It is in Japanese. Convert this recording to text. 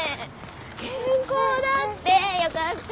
健康だって。よかったね。